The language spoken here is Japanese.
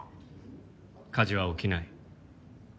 火事は起きない。